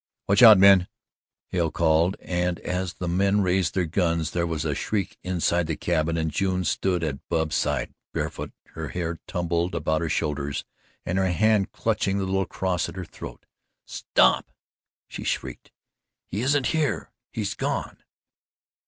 "Watch out, men!" Hale called, and as the men raised their guns there was a shriek inside the cabin and June stood at Bub's side, barefooted, her hair tumbled about her shoulders, and her hand clutching the little cross at her throat. "Stop!" she shrieked. "He isn't here. He's he's gone!"